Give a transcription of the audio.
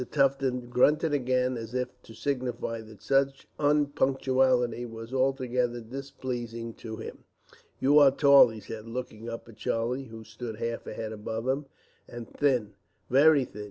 Tufton grunted again as if to signify that such unpunctuality was altogether displeasing to him. "You are tall," he said, looking up at Charlie, who stood half a head above him, "and thin, very thin.